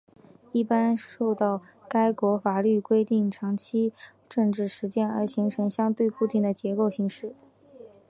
一般受到该国法律规定或长期政治实践而形成相对固定的结构模式。